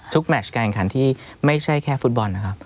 ทุกแมทการการที่ไม่ใช่แค่ฟุตบอลนะครับ